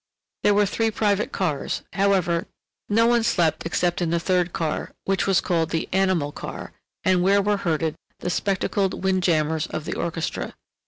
There were three private cars; however, no one slept except in the third car, which was called the "animal car," and where were herded the spectacled wind jammers of the orchestra.